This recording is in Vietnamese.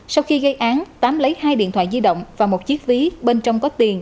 sau khi gây án tám lấy hai điện thoại di động và một chiếc ví bên trong có tiền